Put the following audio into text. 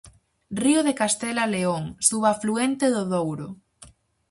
Río de Castela e León, subafluente do Douro.